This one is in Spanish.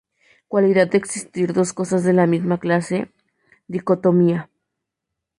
Cualidad de existir dos cosas de la misma clase, dicotomía.